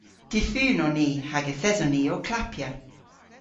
Difun on ni hag yth eson ni ow klappya.